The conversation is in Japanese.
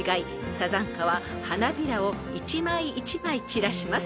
サザンカは花びらを一枚一枚散らします］